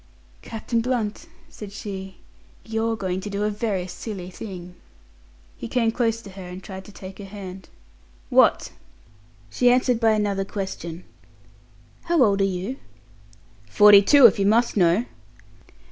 "Captain Blunt," said she, "you're going to do a very silly thing." He came close to her and tried to take her hand. "What?" She answered by another question. "How old are you?" "Forty two, if you must know."